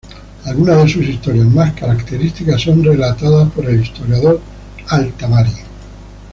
Algunas de sus historias más características son relatadas por el historiador al-Tabari.